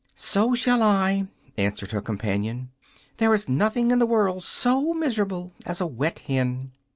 "So shall I," answered her companion. "There is nothing in the world so miserable as a wet hen."